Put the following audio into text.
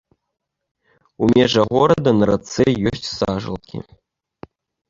У межах горада на рацэ ёсць сажалкі.